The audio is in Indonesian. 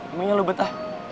emangnya lo betah